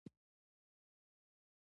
مجيب الرحمن ځوان استعداد دئ.